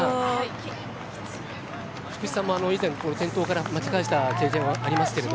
福士さんも以前、転倒から巻き返した経験はありますけど。